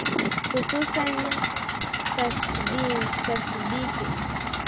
hususan tashbihi